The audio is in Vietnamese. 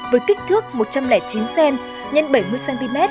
với kích thước một trăm linh chín cm x bảy mươi cm x một mươi cm